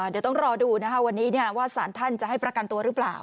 เดี๋ยวต้องรอดูวันนี้ว่าสารท่านจะให้ประกันตัวหรือเปล่า